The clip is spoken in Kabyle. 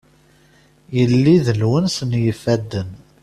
Yelli d lwens n yifadden.